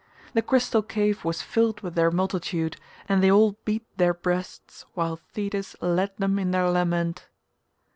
The crystal cave was filled with their multitude and they all beat their breasts while Thetis led them in their lament.